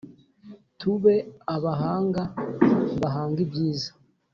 tube abahanga bahanga ibyiza